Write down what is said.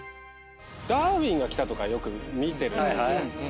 『ダーウィンが来た！』とかよく見てるんですよ。